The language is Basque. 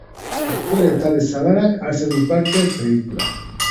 Aktore talde zabalak hartzen du parte pelikulan.